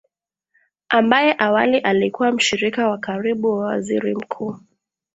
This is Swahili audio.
ambaye awali alikuwa mshirika wa karibu wa waziri mkuu